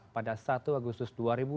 pada satu agustus dua ribu dua puluh